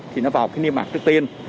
thì nó vào cái niêm mạc trước tiên